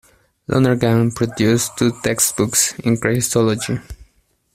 Lonergan produced two textbooks in Christology.